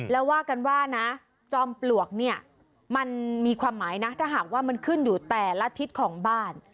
แล้วว่ากันว่านะจอมปลวกเนี่ยมันมีความหมายนะถ้าหากว่ามันขึ้นอยู่แต่ละทิศของบ้าน